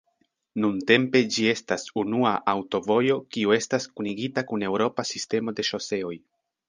Nuntempe ĝi estas unua aŭtovojo kiu estas kunigita kun eŭropa sistemo de ŝoseoj.